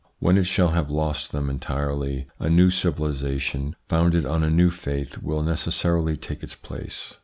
When it shall have lost them entirely, a new civilisation, founded on a new faith, will necessarily take its place.